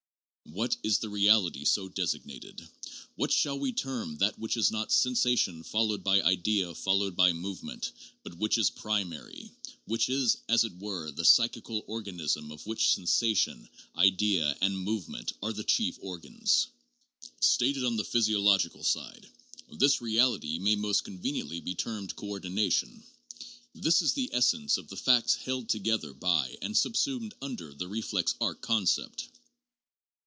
What is the reality so designated ? What shall we term that which is not sensation followed by idea followed by movement, but which is primary ; which is, as it were, the psychical organ ism of which sensation, idea and movement are the chief or gans? Stated on the physiological side, this reality may most conveniently be termed coordination. This is the essence of the facts held together by and subsumed under the reflex arc con cept.